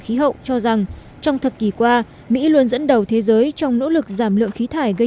khí hậu cho rằng trong thập kỷ qua mỹ luôn dẫn đầu thế giới trong nỗ lực giảm lượng khí thải gây